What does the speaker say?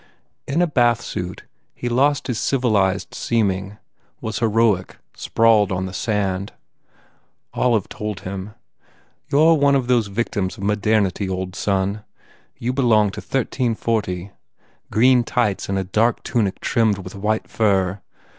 In a bathsuit he lost his civilized seeming, was heroic, sprawled on the sand. Olive told him; "You re one of those victims of modernity, old son. You belong to thirteen forty. Green tights and a dark tunic trimmed with white fur.